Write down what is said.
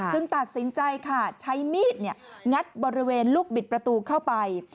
ตัดสินใจค่ะใช้มีดงัดบริเวณลูกบิดประตูเข้าไป